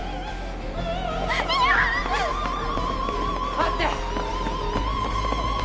待って！